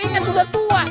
ingat sudah tua